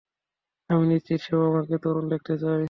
আমি নিশ্চিত সেও আপনাকে তরুণ দেখতে চাই।